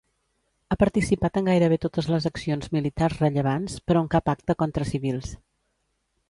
Ha participat en gairebé totes les accions militars rellevants, però en cap acte contra civils.